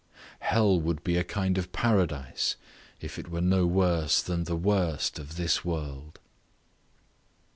Hell would be a kind of paradise, if it were no worse than the worst of this world.